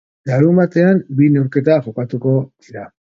Larunbatean bi neurketa jokatuko dira.